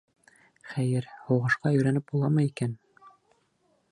Хәйер, һуғышҡа өйрәнеп буламы икән?..